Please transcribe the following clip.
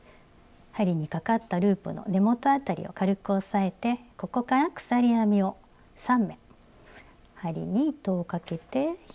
針にかかったループの根元辺りを軽く押さえてここから鎖編みを３目針に糸をかけて引き抜く。